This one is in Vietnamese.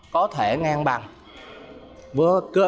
có thể ngang bằng